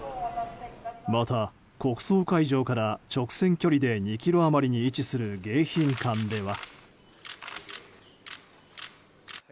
また国葬会場から直線距離で２ｋｍ余りに位置する迎賓館では。